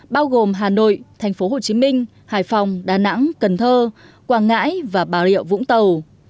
bao gồm hà nội thành phố hồ chí minh hải phòng đà nẵng cần thơ quảng ngãi và bà rịa vũng tàu